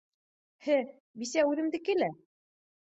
- һе, бисә үҙемдеке лә